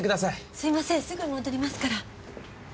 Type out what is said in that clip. すいませんすぐ戻りますから。